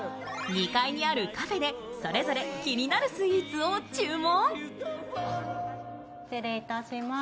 ２階にあるカフェでそれぞれ気になるスイーツを注文。